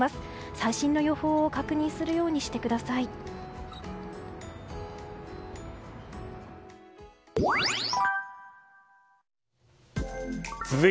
最新の予報を確認するようにしてください。